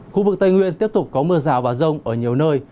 từ tây nguyên tiếp tục có mưa rào và rông ở nhiều nơi